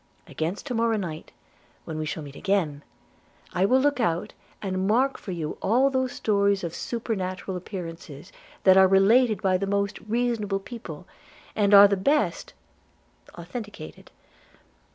Against to morrow night, when we shall meet again, I will look out and mark for you all those stories of supernatural appearances that are related by the most reasonable people, and are the best authenticated.